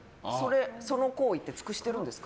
その行為って尽くしてるんですか。